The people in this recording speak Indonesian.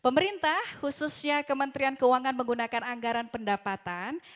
pemerintah khususnya kementerian keuangan menggunakan anggaran pendapatan